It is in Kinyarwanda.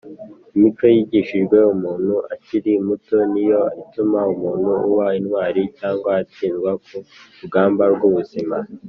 imico yigishijwe umuntu akiri muto niyo ituma umuntu aba intwari cyangwa atsindwa ku rugamba rw’ubu buzima